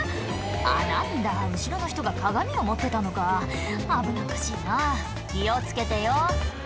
あっ何だ後ろの人が鏡を持ってたのか危なっかしいなぁ気を付けてよ